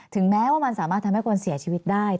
แม้ว่ามันสามารถทำให้คนเสียชีวิตได้